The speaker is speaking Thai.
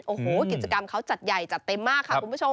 โอ้โหกิจกรรมเขาจัดใหญ่จัดเต็มมากค่ะคุณผู้ชม